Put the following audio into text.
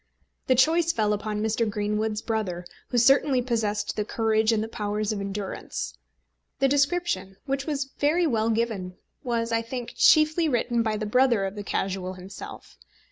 The choice fell upon Mr. Greenwood's brother, who certainly possessed the courage and the powers of endurance. The description, which was very well given, was, I think, chiefly written by the brother of the Casual himself.